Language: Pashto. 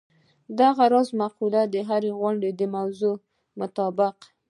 دغه راز مقولې د هرې غونډې د موضوع مطابق.